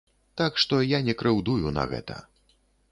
Так што я не крыўдую на гэта.